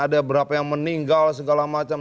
ada berapa yang meninggal segala macam